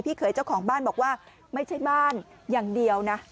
เขยเจ้าของบ้านบอกว่าไม่ใช่บ้านอย่างเดียวนะ